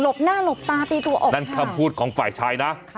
บหน้าหลบตาตีตัวออกนั่นคำพูดของฝ่ายชายนะ